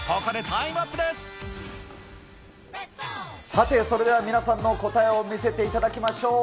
さて、それでは皆さんの答えを見せていただきましょう。